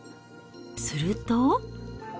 すると。